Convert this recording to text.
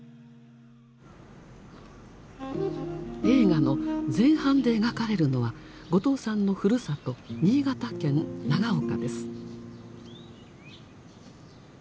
映画の前半で描かれるのは後藤さんのふるさと新潟県長岡です。